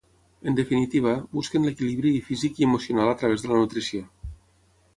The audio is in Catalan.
En definitiva, busquen l’equilibri i físic i emocional a través de la nutrició.